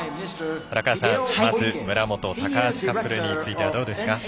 荒川さん村元、高橋カップルについてはどうですか？